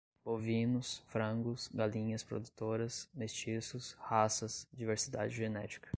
bovinos, frangos, galinhas produtoras, mestiços, raças, diversidade genética